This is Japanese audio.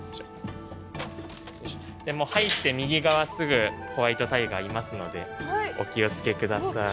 入って右側すぐホワイトタイガーいますのでお気を付け下さい。